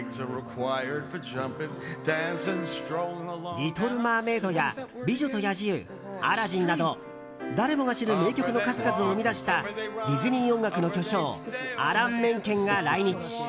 「リトル・マーメイド」や「美女と野獣」「アラジン」など、誰もが知る名曲の数々を生み出したディズニー音楽の巨匠アラン・メンケンが来日。